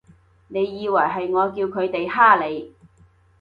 你以為係我叫佢哋㗇你？